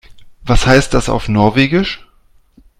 Was heißt das auf Norwegisch?